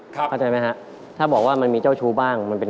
เข้าใจไหมครับถ้าบอกว่ามันมีเจ้าชู้บ้าง